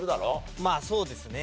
まあそうですね。